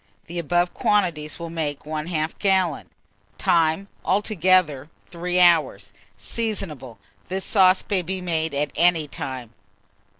The above quantities will make 1/2 gallon. Time. Altogether, 3 hours. Seasonable. This sauce may be made at any time.